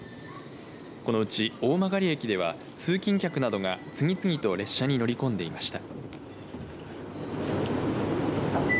このうち大曲駅では通勤客などが次々と列車に乗り込んでいました。